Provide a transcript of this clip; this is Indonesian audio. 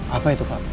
apa itu pak